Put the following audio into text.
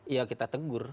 ya kita tegur